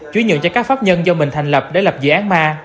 chú ý nhượng cho các pháp nhân do mình thành lập để lập dự án ma